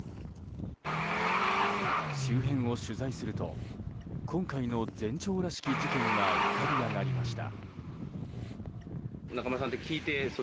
周辺を取材すると今回の前兆らしき事件が浮かび上がりました。